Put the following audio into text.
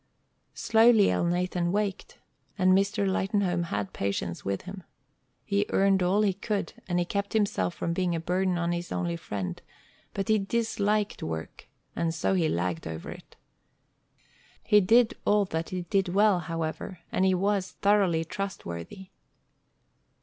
Slowly Elnathan wakened, and Mr. Lightenhome had patience with him. He earned all he could, and he kept himself from being a burden on his only friend, but he disliked work, and so he lagged over it. He did all that he did well, however, and he was thoroughly trustworthy.